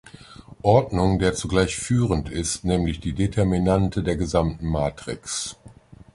Ordnung, der zugleich "führend" ist, nämlich die Determinante der gesamten Matrix.